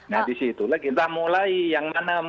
nah disitulah kita mulai yang mana